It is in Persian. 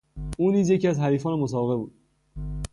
او نیز یکی از حریفان مسابقه بود.